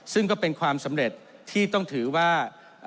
ซึ่งก็เป็นความสำเร็จที่ต้องถือว่า